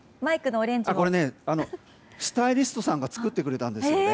これスタイリストさんが作ってくれたんです。